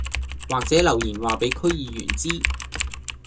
或者留言話俾區議員知